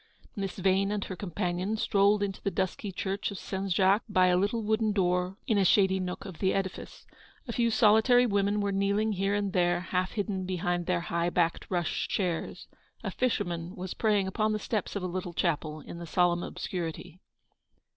Miss Yane and her companion strolled into the dusky church of Saint Jacques by a little wooden door in a shady nook of the edifice. A few soli tary women were kneeling here and there, half hidden behind their high backed rush chairs. A fisherman was praying upon the steps of a little chapel, in the solemn obscurity.